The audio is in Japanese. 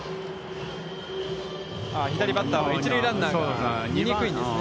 左バッターは一塁ランナーが見にくいんですね。